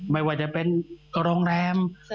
ไม่ว่าจะเป็นโรงแรม